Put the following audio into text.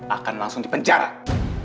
akan langsung dipenjarakan